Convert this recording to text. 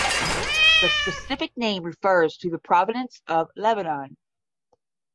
The specific name refers to the provenance from Lebanon.